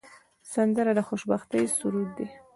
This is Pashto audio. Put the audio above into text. سندره د خوشبختۍ سرود دی